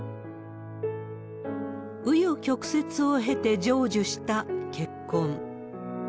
う余曲折を経て成就した結婚。